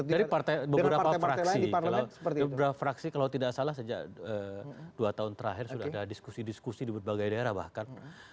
jadi beberapa fraksi kalau tidak salah sejak dua tahun terakhir sudah ada diskusi diskusi di berbagai daerah bahkan